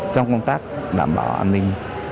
trong công tác đảm bảo an ninh